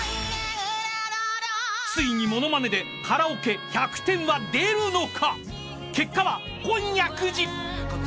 ［ついにものまねでカラオケ１００点は出るのか？］